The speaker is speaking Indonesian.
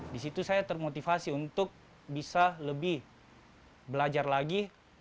di situ saya termotivasi untuk bisa lebih belajar lagi